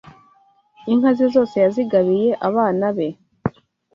Inka ze zose yazigabiye abana be